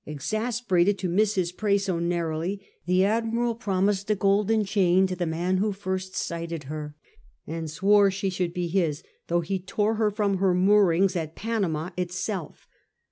Exasperated to miss his prey so narrowly, the Admiral promised a golden chain to the man who first sighted her, and swore she should be his, though he tore her from her moorings at Panama itself.